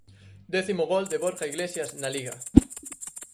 Décimo gol de Borja Iglesias na Liga.